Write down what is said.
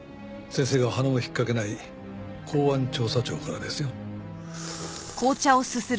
先生がはなも引っかけない公安調査庁からですよ。